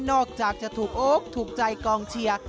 อกจากจะถูกโอ๊คถูกใจกองเชียร์